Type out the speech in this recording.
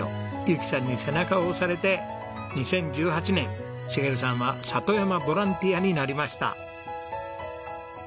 由紀さんに背中を押されて２０１８年茂さんは里山ボランティアになりました。